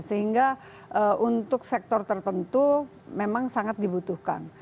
sehingga untuk sektor tertentu memang sangat dibutuhkan